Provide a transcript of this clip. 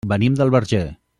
Venim del Verger.